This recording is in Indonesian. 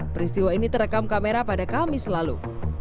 peristiwa ini terekam kamera pada kamis lalu